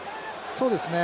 そうですね